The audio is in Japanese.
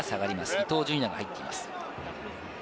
伊東純也が入っています。